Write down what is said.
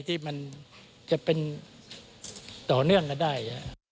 ที่มันจะเป็นต่อเนื่องกันได้